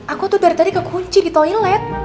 aku tuh dari tadi kekunci di toilet